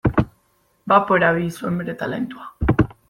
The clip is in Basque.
Bapo erabili zuen bere talentua.